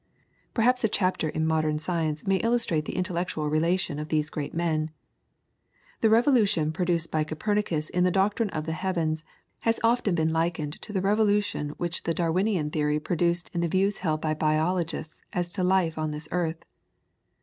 Perhaps a chapter in modern science may illustrate the intellectual relation of these great men. The revolution produced by Copernicus in the doctrine of the heavens has often been likened to the revolution which the Darwinian theory produced in the views held by biologists as to life on this earth.